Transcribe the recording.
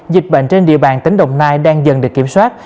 dịch bệnh trên địa bàn tỉnh đồng nai đang dần được kiểm soát